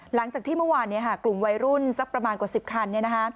หลังจากที่เมื่อวานกลุ่มวัยรุ่นสักประมาณกว่า๑๐คัน